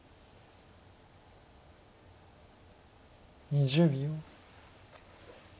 ２０秒。